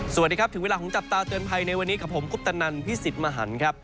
สวัสดีครับถึงเวลาของจับตาเตือนภัยในวันนี้กับผมคุปตนันพี่สิทธิ์มหันครับ